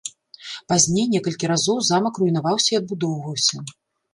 Пазней некалькі разоў замак руйнаваўся і адбудоўваўся.